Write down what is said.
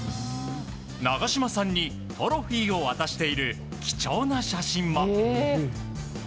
長嶋さんにトロフィーを渡している貴重な写真も。